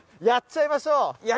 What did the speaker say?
やっちゃいましょう！